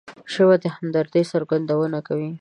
ژبه د همدردۍ څرګندونه کوي